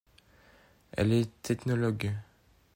Elle est ethnologue.